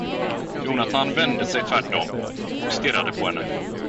Jonatan vände sig tvärt om, och stirrade på henne.